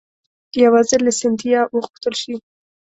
یوازې له سیندهیا وغوښتل شي.